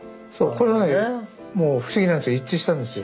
これはねもう不思議なんですけど一致したんですよ。